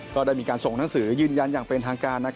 ก็ได้มีการส่งหนังสือยืนยันอย่างเป็นทางการ